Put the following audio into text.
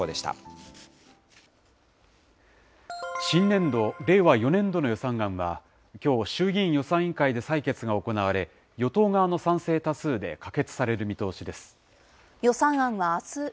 新年度・令和４年度の予算案は、きょう衆議院予算委員会で採決が行われ、与党側の賛成多数で可決される見通しです。